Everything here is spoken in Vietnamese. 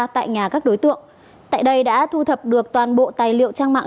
tại nhà các đối tượng tại đây đã thu thập được toàn bộ tài liệu trang mạng